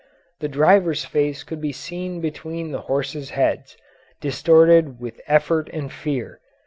The driver's face could be seen between the horses' heads, distorted with effort and fear.